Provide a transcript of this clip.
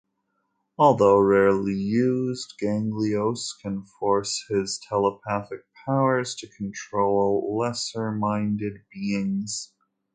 Although rarely used, Ganglios' can force his telepathic powers to control lesser minded beings.